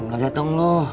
belah jatoh lu